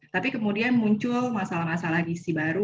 tapi kemudian muncul masalah masalah gisi baru